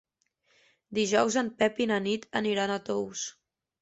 Dijous en Pep i na Nit aniran a Tous.